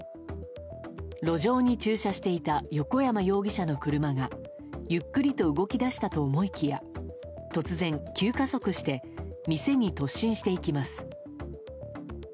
路上に駐車していた横山容疑者の車が、ゆっくりと動きだしたと思いきや、突然、急加速して店に突進していきます。